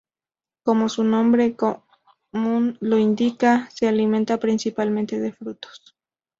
Como su nombre común lo indica, se alimentan principalmente de frutos.